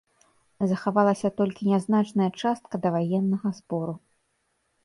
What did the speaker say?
Захавалася толькі нязначная частка даваеннага збору.